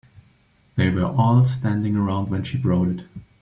They were all standing around when she wrote it.